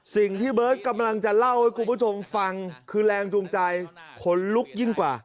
สิ่งที่เบิ้ลกำลังจะเล่าให้กุปัจชมฟังคือแรงจูงใจคนลุกยิ่งกว่า